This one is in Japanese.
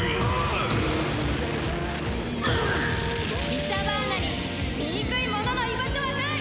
イシャバーナに醜い者の居場所はない！